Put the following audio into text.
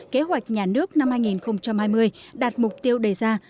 kế hoạch nhà nước năm hai nghìn hai mươi đạt mục tiêu đề ra